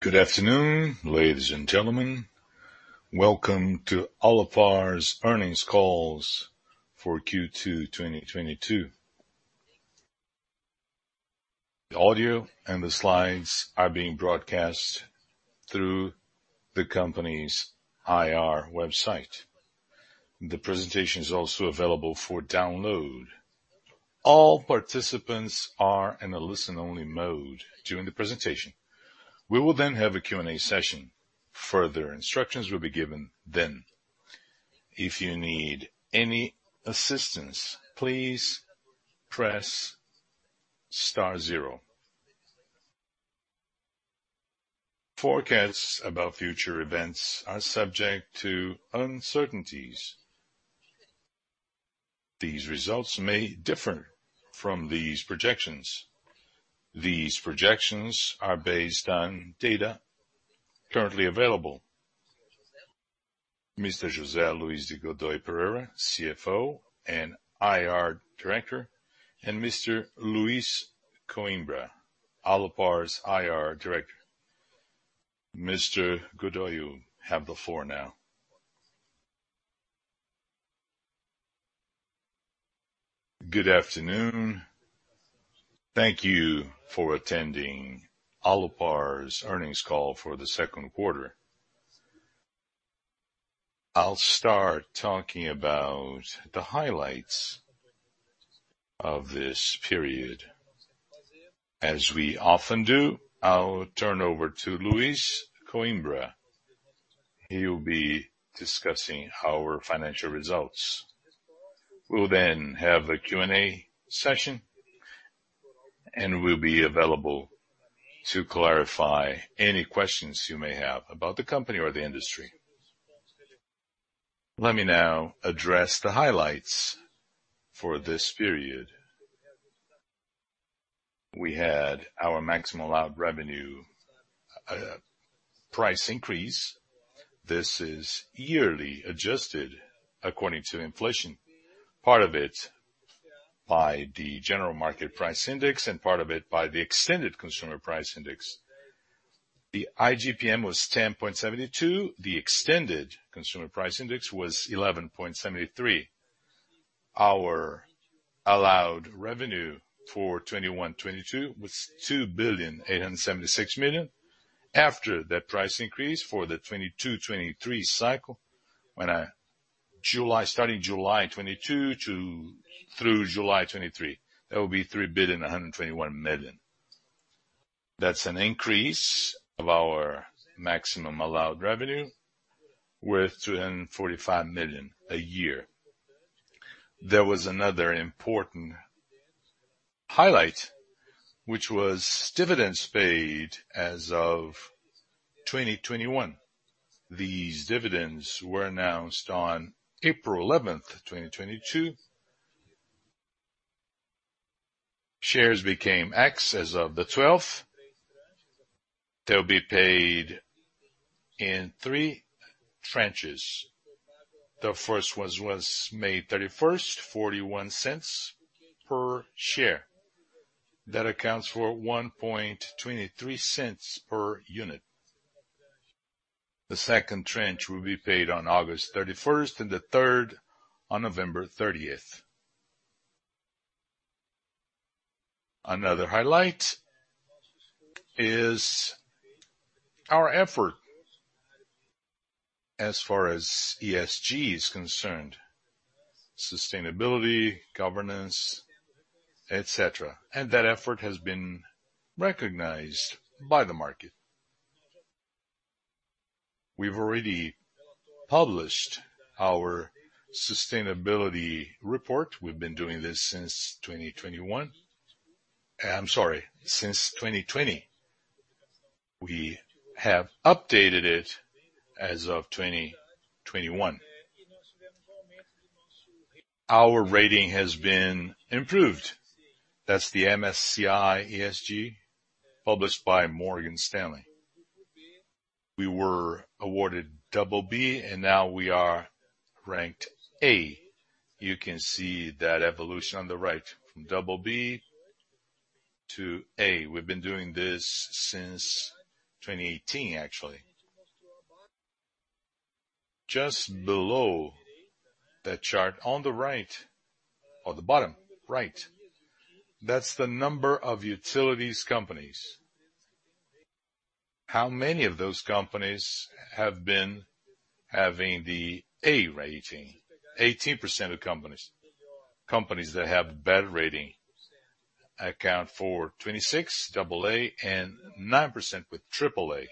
Good afternoon, ladies and gentlemen. Welcome to Alupar's earnings calls for Q2 2022. The audio and the slides are being broadcast through the company's IR website. The presentation is also available for download. All participants are in a listen-only mode during the presentation. We will then have a Q&A session. Further instructions will be given then. If you need any assistance, please press star zero. Forecasts about future events are subject to uncertainties. These results may differ from these projections. These projections are based on data currently available. Mr. José Luiz de Godoy Pereira, CFO and IR Director, and Mr. Luiz Coimbra, Alupar's IR Director. Mr. Godoy, you have the floor now. Good afternoon. Thank you for attending Alupar's earnings call for the second quarter. I'll start talking about the highlights of this period. As we often do, I'll turn over to Luiz Coimbra. He'll be discussing our financial results. We'll then have a Q&A session, and we'll be available to clarify any questions you may have about the company or the industry. Let me now address the highlights for this period. We had our maximum allowed revenue price increase. This is yearly adjusted according to inflation, part of it by the General Market Price Index and part of it by the Extended Consumer Price Index. The IGP-M was 10.72%. The Extended Consumer Price Index was 11.73%. Our allowed revenue for 2021-2022 was 2.876 billion. After that price increase for the 2022-2023 cycle, starting July 2022 through July 2023, that will be 3.121 billion. That's an increase of our maximum allowed revenue with 245 million a year. There was another important highlight, which was dividends paid as of 2021. These dividends were announced on April 11, 2022. Shares became ex as of the 12th. They'll be paid in 3 tranches. The first was May 31, 0.41 per share. That accounts for 1.23 per unit. The second tranche will be paid on August 31st and the third on November 30th. Another highlight is our effort as far as ESG is concerned, sustainability, governance, etc. That effort has been recognized by the market. We've already published our sustainability report. We've been doing this since 2021. I'm sorry, since 2020. We have updated it as of 2021. Our rating has been improved. That's the MSCI ESG, published by Morgan Stanley. We were awarded BB, and now we are ranked A. You can see that evolution on the right, from BB to A. We've been doing this since 2018, actually. Just below that chart on the right or the bottom right, that's the number of utilities companies. How many of those companies have been having the A rating? 18% of companies. Companies that have better rating account for 26% AA and 9% with AAA.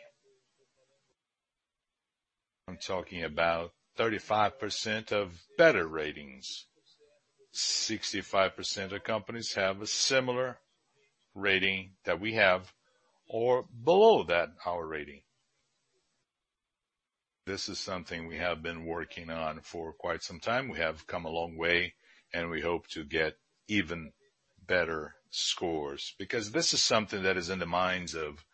I'm talking about 35% of better ratings. 65% of companies have a similar rating that we have or below that, our rating. This is something we have been working on for quite some time. We have come a long way, and we hope to get even better scores because this is something that is in the minds of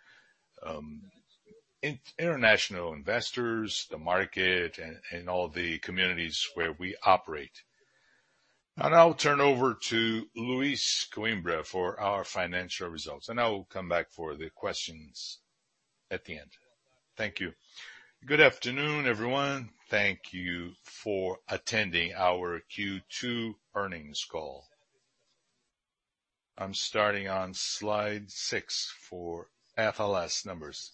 international investors, the market, and all the communities where we operate. I'll turn over to Luiz Coimbra for our financial results, and I will come back for the questions at the end. Thank you. Good afternoon, everyone. Thank you for attending our Q2 earnings call. I'm starting on slide six for IFRS numbers.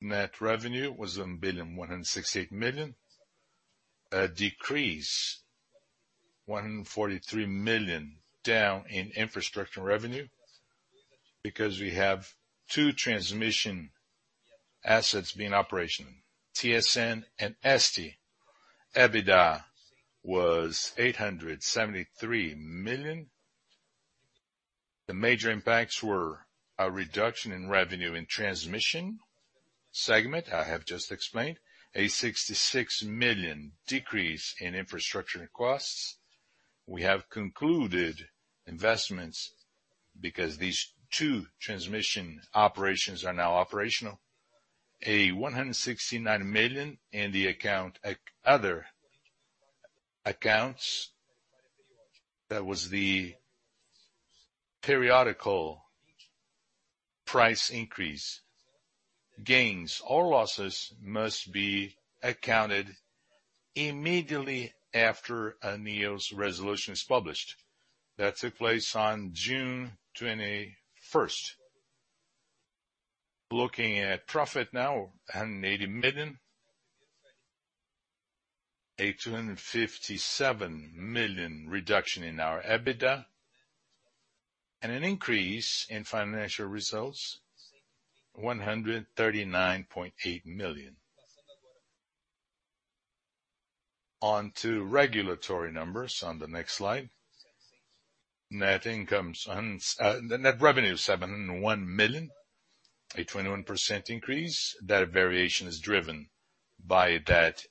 Net revenue was 1,168 million. A decrease, 143 million down in infrastructure revenue because we have two transmission assets being operational, TSM and ESTE. EBITDA was 873 million. The major impacts were a reduction in revenue and transmission segment, I have just explained. A 66 million decrease in infrastructure costs. We have concluded investments because these two transmission operations are now operational. 169 million in the account, other accounts. That was the periodic price increase. Gains or losses must be accounted immediately after ANEEL's resolution is published. That took place on June 21st. Looking at profit now, 180 million. 257 million reduction in our EBITDA. An increase in financial results, BRL 139.8 million. On to regulatory numbers on the next slide. Net revenue is 701 million, a 21% increase. That variation is driven by that increase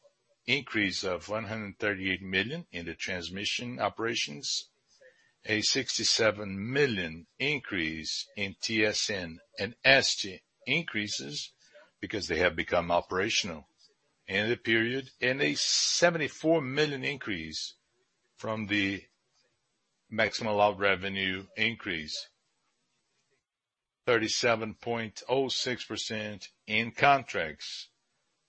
of 138 million in the transmission operations, a 67 million increase in TSM and ESTE increases because they have become operational in the period, and a 74 million increase from the maximum allowed revenue increase. 37.06% in contracts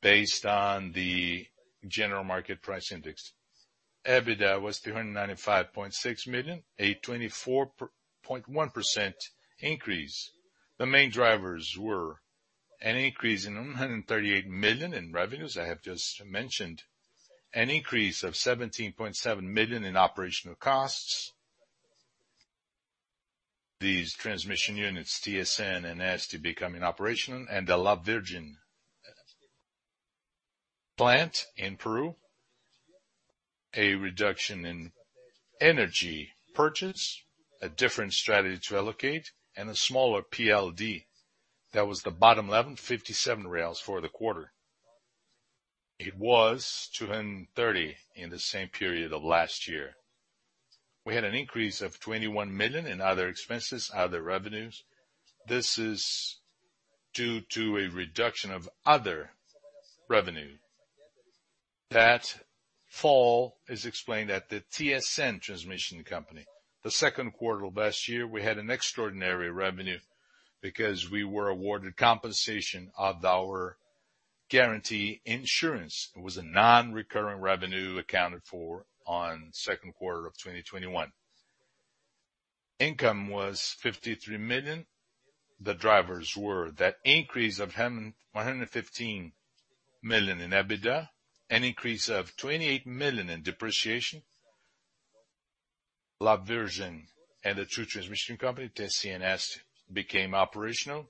based on the General Market Price Index. EBITDA was 395.6 million, a 24.1% increase. The main drivers were an increase in 138 million in revenues, I have just mentioned. An increase of 17.7 million in operational costs. These transmission units, TSM and ESTE, becoming operational and the La Virgen plant in Peru. A reduction in energy purchase, a different strategy to allocate, and a smaller PLD. That was the bottom level, 57 for the quarter. It was 230 in the same period of last year. We had an increase of 21 million in other expenses, other revenues. This is due to a reduction of other revenue. That fall is explained at the TSM transmission company. The second quarter of last year, we had an extraordinary revenue because we were awarded compensation of our guarantee insurance. It was a non-recurring revenue accounted for in second quarter of 2021. Income was 53 million. The drivers were that increase of 115 million in EBITDA, an increase of 28 million in depreciation. La Virgen and the 2 transmission company, TSM and ESTE, became operational,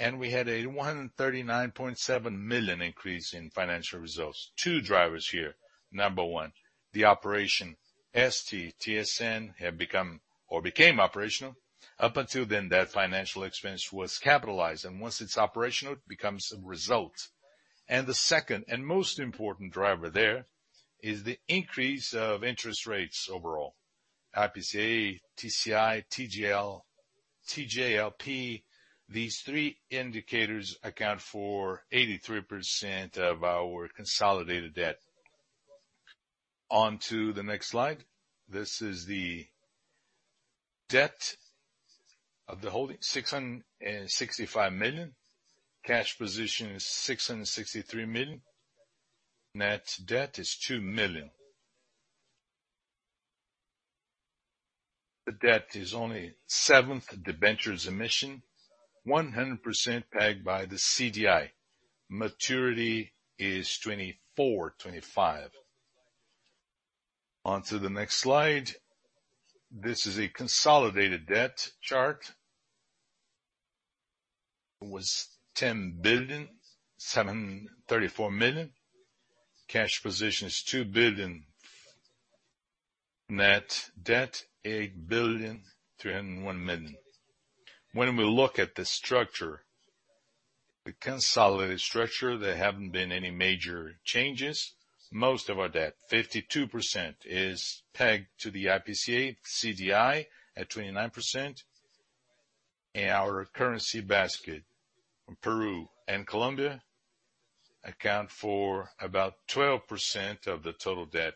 and we had a 139.7 million increase in financial results. Two drivers here. Number one, the operation ESTE, TSM have become or became operational. Up until then, that financial expense was capitalized, and once it's operational, it becomes a result. The second and most important driver there is the increase of interest rates overall. IPCA, CDI, TJLP. These three indicators account for 83% of our consolidated debt. On to the next slide. This is the debt of the holding, 665 million. Cash position is 663 million. Net debt is 2 million. The debt is only 70% of the debentures emission, 100% pegged by the CDI. Maturity is 2024, 2025. On to the next slide. This is a consolidated debt chart. It was 10.734 billion. Cash position is 2 billion. Net debt, 8.301 billion. When we look at the structure, the consolidated structure, there haven't been any major changes. Most of our debt, 52%, is pegged to the IPCA, CDI at 29%. In our currency basket, Peru and Colombia account for about 12% of the total debt.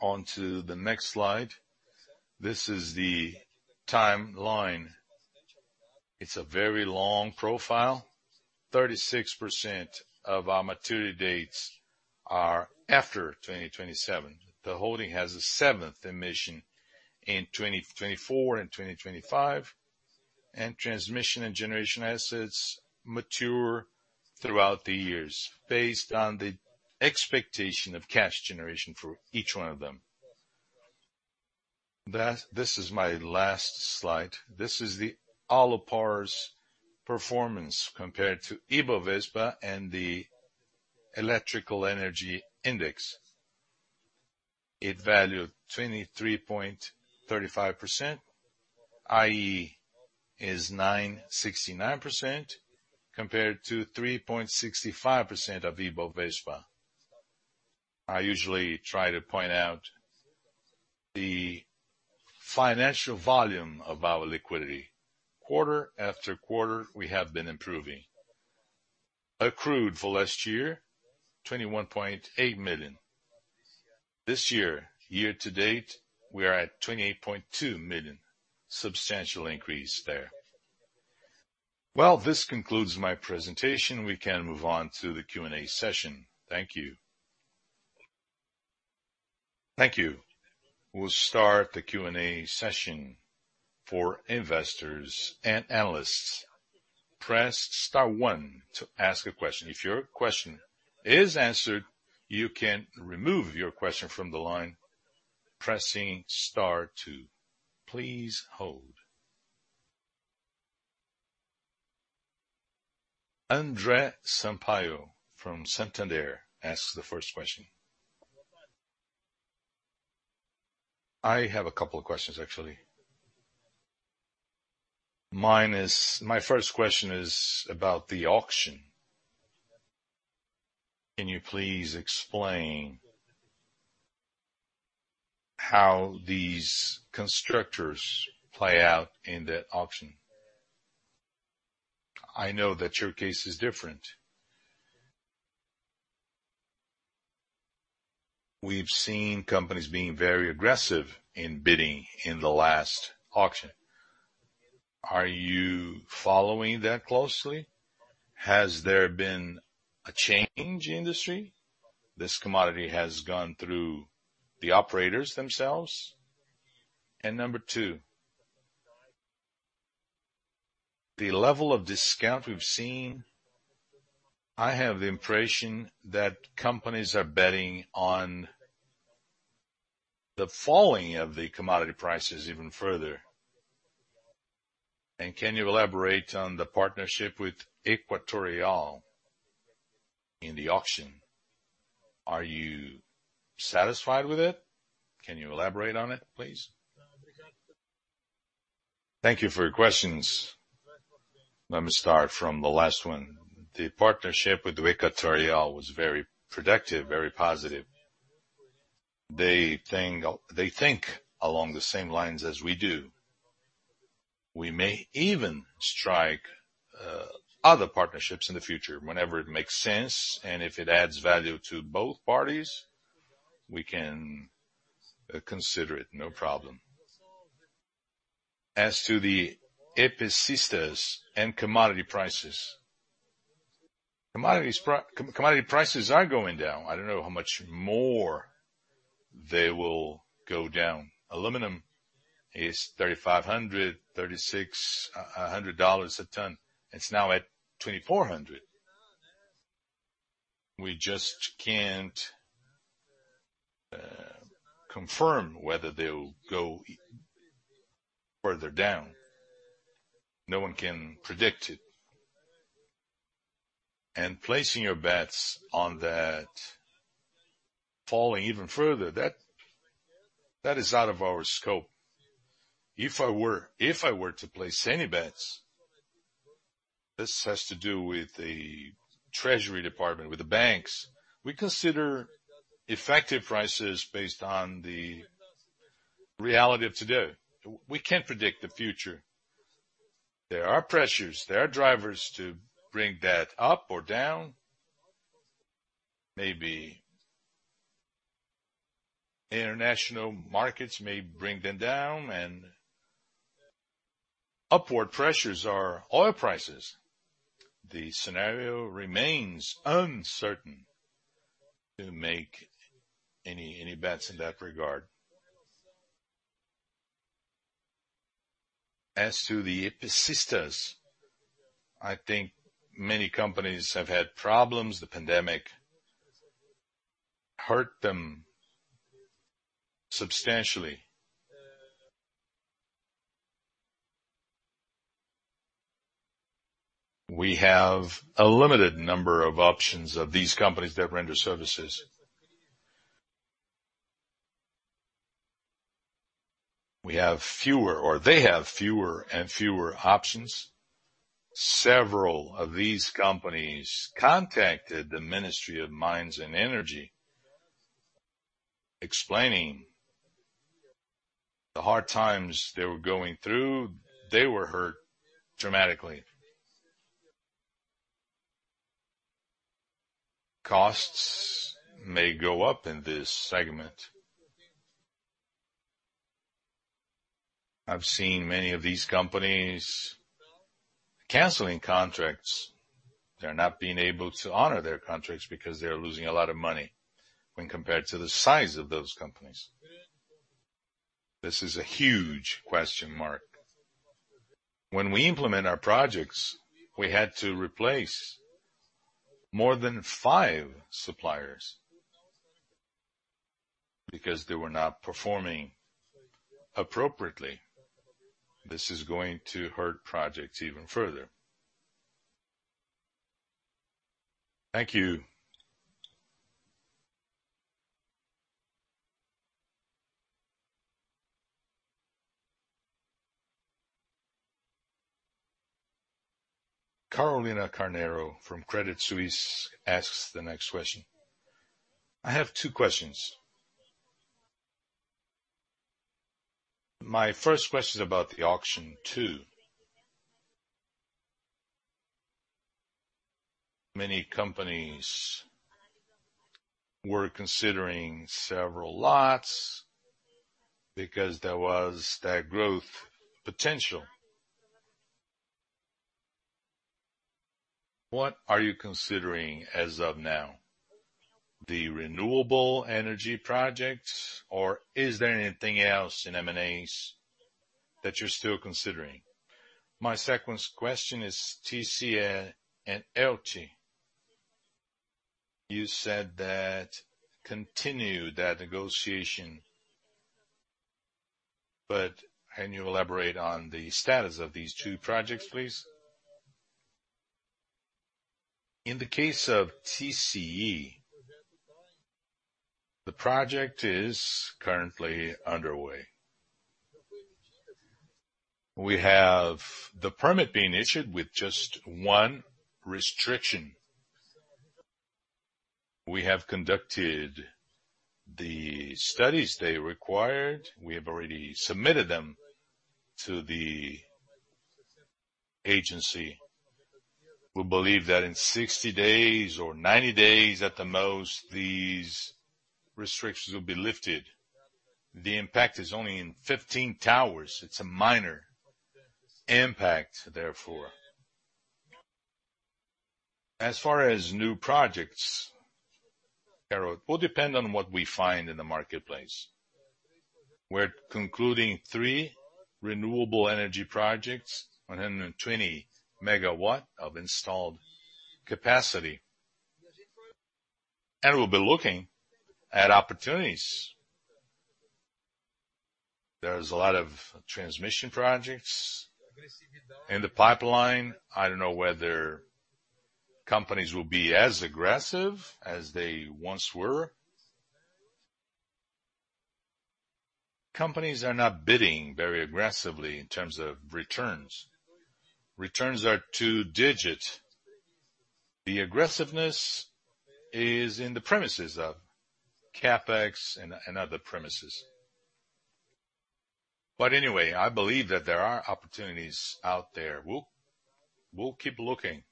On to the next slide. This is the timeline. It's a very long profile. 36% of our maturity dates are after 2027. The holding has a 7th emission in 2024 and 2025, and transmission and generation assets mature throughout the years based on the expectation of cash generation for each one of them. This is my last slide. This is the Alupar's performance compared to Ibovespa and the Electrical Energy Index. It valued 23.35%, i.e., 9.69% compared to 3.65% of Ibovespa. I usually try to point out the financial volume of our liquidity. Quarter-after-quarter, we have been improving. Accrued for last year, 21.8 million. This year-to-date, we are at 28.2 million, substantial increase there. Well, this concludes my presentation. We can move on to the Q&A session. Thank you. Thank you. We'll start the Q&A session for investors and analysts. Press star one to ask a question. If your question is answered, you can remove your question from the line pressing star two. Please hold. Andre Sampaio from Santander asks the first question. I have a couple of questions, actually. My first question is about the auction. Can you please explain how these constructors play out in that auction? I know that your case is different. We've seen companies being very aggressive in bidding in the last auction. Are you following that closely? Has there been a change in industry? This commodity has gone through the operators themselves. Number two, the level of discount we've seen, I have the impression that companies are betting on the falling of the commodity prices even further. Can you elaborate on the partnership with Equatorial Energia in the auction? Are you satisfied with it? Can you elaborate on it, please? Thank you for your questions. Let me start from the last one. The partnership with Equatorial was very productive, very positive. They think along the same lines as we do. We may even strike other partnerships in the future. Whenever it makes sense and if it adds value to both parties, we can consider it, no problem. As to the EPCistas and commodity prices. Commodity prices are going down. I don't know how much more they will go down. Aluminum is $3,500-$3,600 a ton. It's now at $2,400. We just can't confirm whether they'll go further down. No one can predict it. Placing your bets on that falling even further, that is out of our scope. If I were to place any bets, this has to do with the Treasury Department, with the banks. We consider effective prices based on the reality of today. We can't predict the future. There are pressures, there are drivers to bring that up or down. Maybe international markets may bring them down, and upward pressures are oil prices. The scenario remains uncertain to make any bets in that regard. As to the EPCistas, I think many companies have had problems. The pandemic hurt them substantially. We have a limited number of options of these companies that render services. We have fewer, or they have fewer and fewer options. Several of these companies contacted the Ministry of Mines and Energy, explaining the hard times they were going through. They were hurt dramatically. Costs may go up in this segment. I've seen many of these companies canceling contracts. They're not being able to honor their contracts because they're losing a lot of money when compared to the size of those companies. This is a huge question mark. When we implement our projects, we had to replace more than five suppliers because they were not performing appropriately. This is going to hurt projects even further. Thank you. Carolina Carneiro from Credit Suisse asks the next question. I have two questions. My first question is about the auction too. Many companies were considering several lots because there was that growth potential. What are you considering as of now, the renewable energy projects, or is there anything else in M&As that you're still considering? My second question is TCE and ELTE. You said that continue that negotiation. But can you elaborate on the status of these two projects, please? In the case of TCE, the project is currently underway. We have the permit being issued with just one restriction. We have conducted the studies they required. We have already submitted them to the agency, who believe that in 60 days or 90 days at the most, these restrictions will be lifted. The impact is only in 15 towers. It's a minor impact, therefore. As far as new projects, Carolina, will depend on what we find in the marketplace. We're concluding 3 renewable energy projects, 120 MW of installed capacity. We'll be looking at opportunities. There's a lot of transmission projects in the pipeline. I don't know whether companies will be as aggressive as they once were. Companies are not bidding very aggressively in terms of returns. Returns are two-digit. The aggressiveness is in the premises of CapEx and other premises. Anyway, I believe that there are opportunities out there. We'll keep looking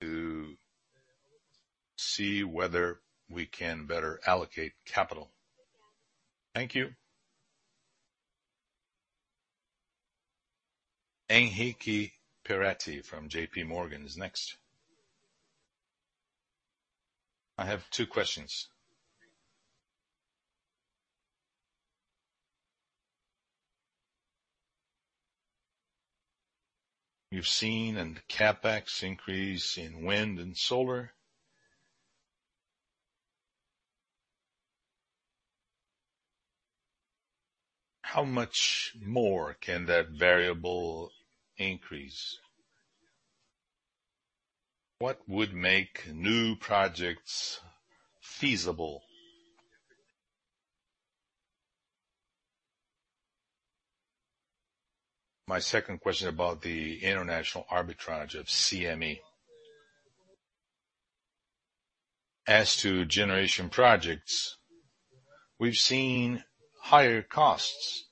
to see whether we can better allocate capital. Thank you. Henrique Peretti from JPMorgan is next. I have two questions. We've seen in the CapEx increase in wind and solar. How much more can that variable increase? What would make new projects feasible? My second question about the international arbitrage of TME? As to generation projects, we've seen higher costs,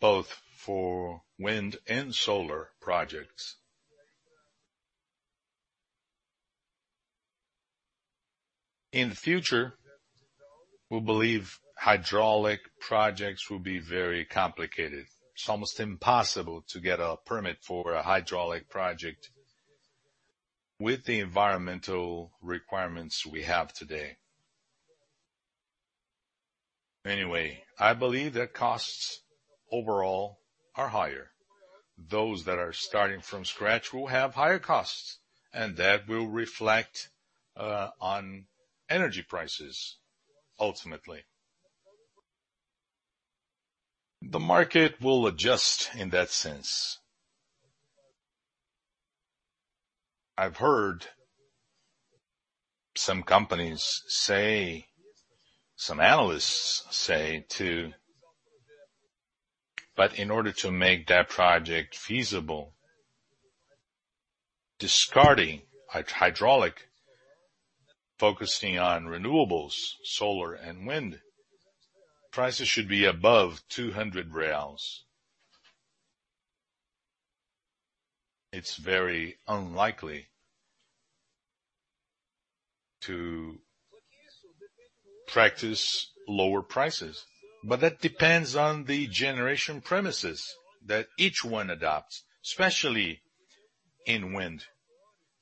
both for wind and solar projects. In the future, we believe hydraulic projects will be very complicated. It's almost impossible to get a permit for a hydraulic project with the environmental requirements we have today. Anyway, I believe that costs overall are higher. Those that are starting from scratch will have higher costs, and that will reflect on energy prices, ultimately. The market will adjust in that sense. I've heard some companies say, some analysts say too, but in order to make that project feasible. Discarding hydraulic, focusing on renewables, solar and wind, prices should be above 200 reais. It's very unlikely to practice lower prices, but that depends on the generation premises that each one adopts, especially in wind.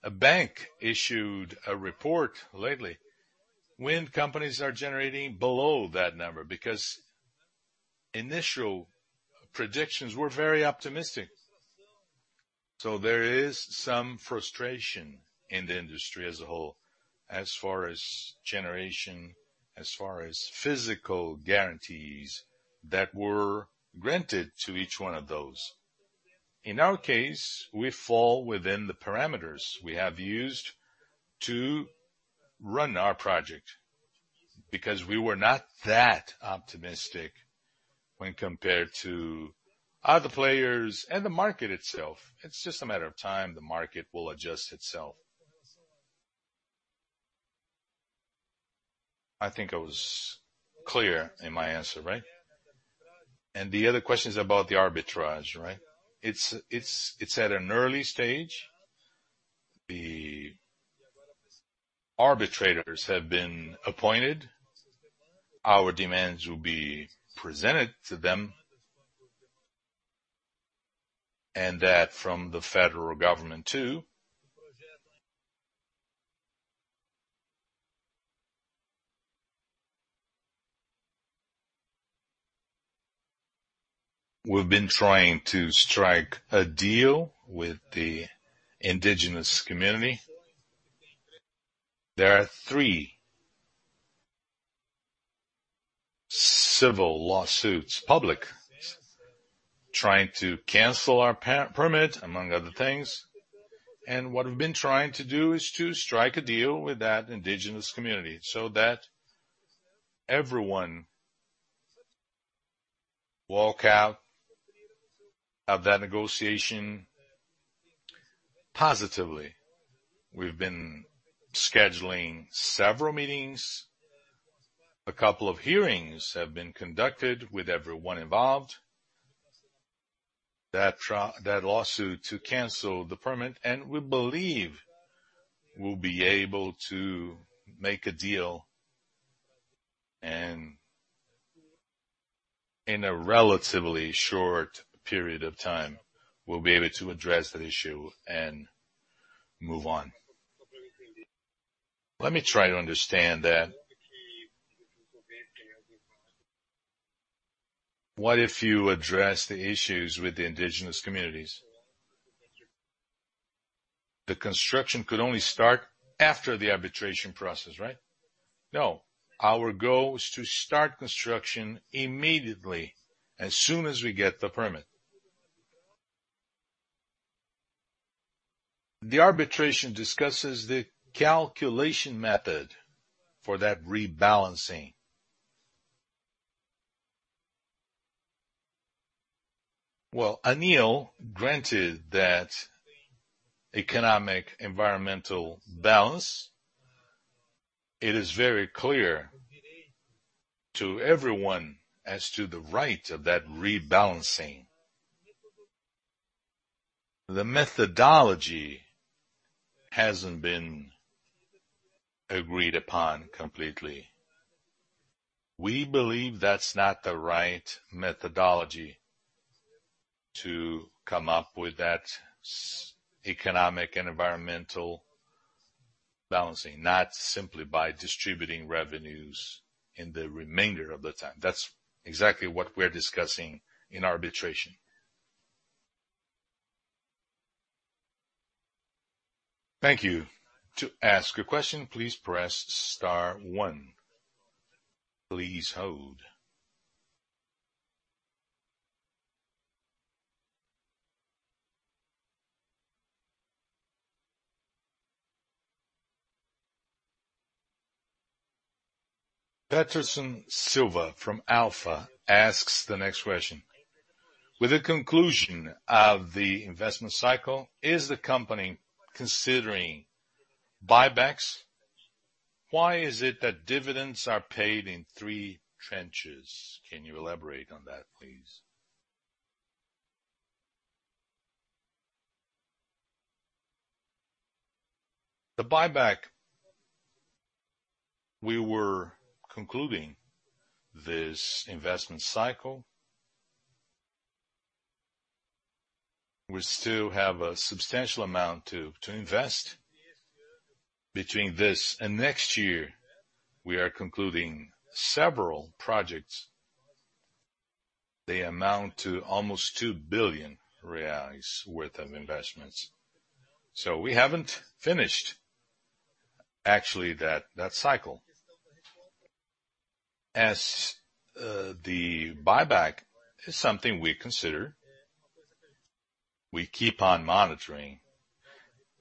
A bank issued a report lately. Wind companies are generating below that number because initial predictions were very optimistic. There is some frustration in the industry as a whole as far as generation, as far as physical guarantees that were granted to each one of those. In our case, we fall within the parameters we have used to run our project because we were not that optimistic when compared to other players and the market itself. It's just a matter of time. The market will adjust itself. I think I was clear in my answer, right? The other question is about the arbitration, right? It's at an early stage. The arbitrators have been appointed. Our demands will be presented to them. That from the federal government too. We've been trying to strike a deal with the indigenous community. There are three civil lawsuits, public, trying to cancel our permit, among other things. What we've been trying to do is to strike a deal with that indigenous community so that everyone walk out of that negotiation positively. We've been scheduling several meetings. A couple of hearings have been conducted with everyone involved. That lawsuit to cancel the permit, and we believe we'll be able to make a deal, and in a relatively short period of time, we'll be able to address that issue and move on. Let me try to understand that. What if you address the issues with the indigenous communities? The construction could only start after the arbitration process, right? No, our goal is to start construction immediately as soon as we get the permit. The arbitration discusses the calculation method for that rebalancing. Well, ANEEL granted that economic environmental balance. It is very clear to everyone as to the right of that rebalancing. The methodology hasn't been agreed upon completely. We believe that's not the right methodology to come up with that economic and environmental balancing, not simply by distributing revenues in the remainder of the time. That's exactly what we're discussing in arbitration. Thank you. To ask a question, please press star one. Please hold. Peterson Silva from Alfa asks the next question: With the conclusion of the investment cycle, is the company considering buybacks? Why is it that dividends are paid in three tranches? Can you elaborate on that, please? The buyback, we were concluding this investment cycle. We still have a substantial amount to invest. Between this and next year, we are concluding several projects. They amount to almost 2 billion reais worth of investments. We haven't finished actually that cycle. The buyback is something we consider, we keep on monitoring,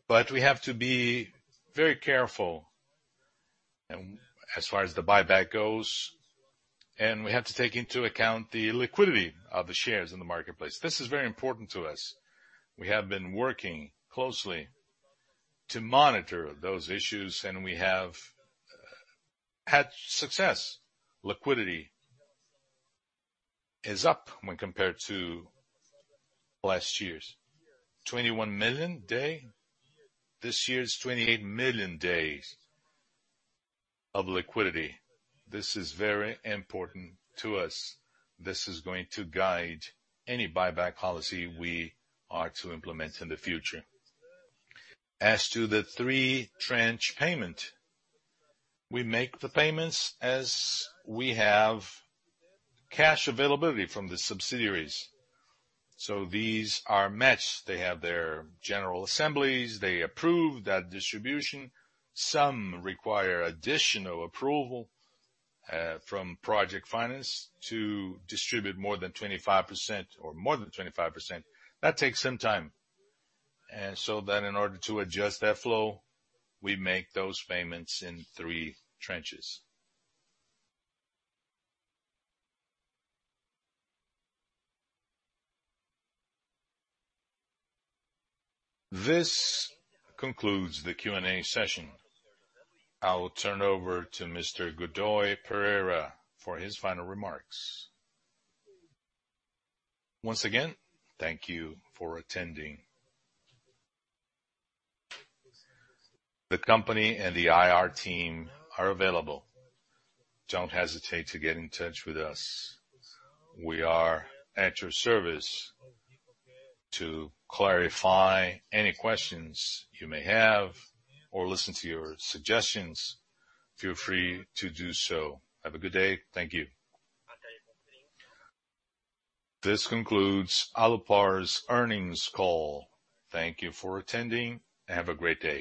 but we have to be very careful. As far as the buyback goes, we have to take into account the liquidity of the shares in the marketplace. This is very important to us. We have been working closely to monitor those issues, and we have had success. Liquidity is up when compared to last year, 21 million a day. This year 28 million a day of liquidity. This is very important to us. This is going to guide any buyback policy we are to implement in the future. As to the three tranche payment, we make the payments as we have cash availability from the subsidiaries. These are matched. They have their general assemblies. They approve that distribution. Some require additional approval from project finance to distribute more than 25%. That takes some time. In order to adjust that flow, we make those payments in three tranches. This concludes the Q&A session. I will turn over to Mr. Godoy Pereira for his final remarks. Once again, thank you for attending. The company and the IR team are available. Don't hesitate to get in touch with us. We are at your service to clarify any questions you may have or listen to your suggestions. Feel free to do so. Have a good day. Thank you. This concludes Alupar's earnings call. Thank you for attending, and have a great day.